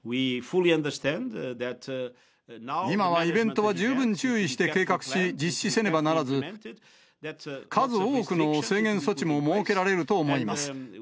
今はイベントは十分注意して計画し、実施せねばならず、数多くの制限措置も設けられると思います。